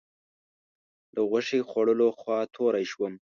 له غوښې خوړلو خوا توری شوم.